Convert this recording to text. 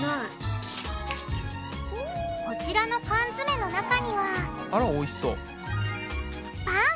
こちらの缶詰の中にはあらおいしそう。